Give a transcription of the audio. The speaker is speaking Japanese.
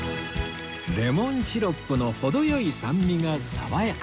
レモンシロップの程良い酸味が爽やか